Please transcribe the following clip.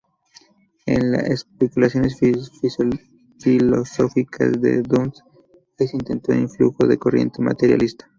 En las especulaciones filosóficas de Duns es intenso el influjo de la corriente materialista.